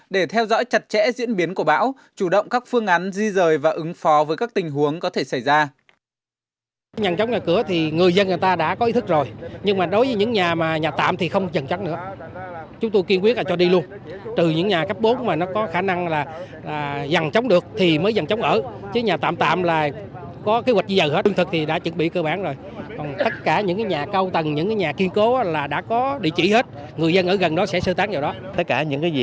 để theo dõi chặt chẽ diễn biến của bão chủ động các phương án di rời và ứng phò với các tình huống có thể xảy ra